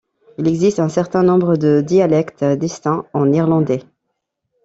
Il existe un certain nombre de dialectes distincts en irlandais.